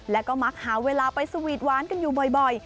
และก็มักหาเวลาไปสวีทหวานกันอยู่บ่อย